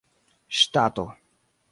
ŝtato